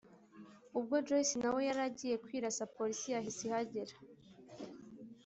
ubwo joyce nawe yaragiye kwirasa police yahise ihagera